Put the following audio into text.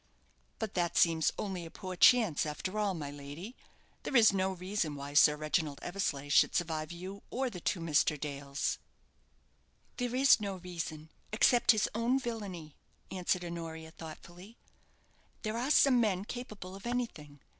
"But that seems only a poor chance after all, my lady. There is no reason why Sir Reginald Eversleigh should survive you or the two Mr. Dales." "There is no reason, except his own villany," answered Honoria, thoughtfully. "There are some men capable of anything.